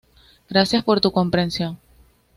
Gracias por tu comprensión.